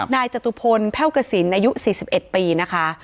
นายจตุพลแพลวกสินอายุ๔๑ปีนะคะ